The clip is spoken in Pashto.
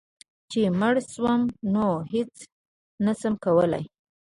چي مړ شوم نو هيڅ نشم کولی